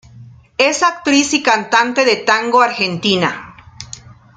Es actriz y cantante de tango argentina.